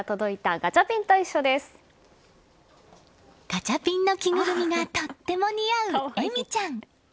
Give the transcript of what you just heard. ガチャピンの着ぐるみがとっても似合う、えみちゃん。